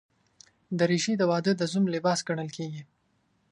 دریشي د واده د زوم لباس ګڼل کېږي.